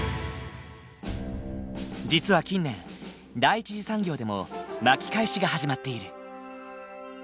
実は近年第一次産業でも巻き返しが始まっている。